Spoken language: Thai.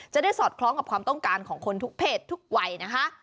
สอดคล้องกับความต้องการของคนทุกเพศทุกวัยนะคะ